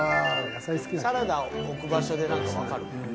サラダを置く場所でなんかわかるな。